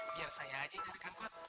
biar saya aja yang ngarikan kot